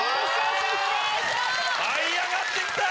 這い上がって来た！